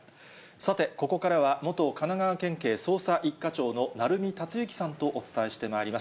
さて、ここからは元神奈川県警捜査一課長の鳴海達之さんとお伝えしてまいります。